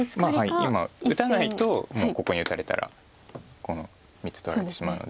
今打たないともうここに打たれたらこの３つ取られてしまうので。